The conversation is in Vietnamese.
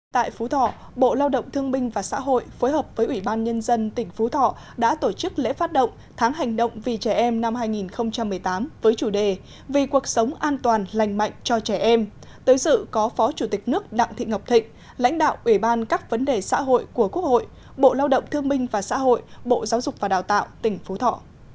tại phú thọ bộ lao động thương minh và xã hội phối hợp với ủy ban nhân dân tỉnh phú thọ đã tổ chức lễ phát động tháng hành động vì trẻ em năm hai nghìn một mươi tám với chủ đề vì cuộc sống an toàn lành mạnh cho trẻ em tới sự có phó chủ tịch nước đặng thị ngọc thịnh lãnh đạo ủy ban các vấn đề xã hội của quốc hội bộ lao động thương minh và xã hội bộ giáo dục và đào tạo tỉnh phú thọ